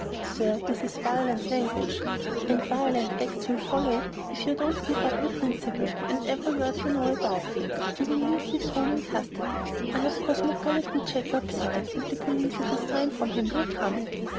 "Sir, this is violent language." "And violent acts will follow it: if you do not give up your principal, and every word you know about him, you will leave this room in custody. I have Cosmopolitan Jack outside, and the police at a sign from him will come."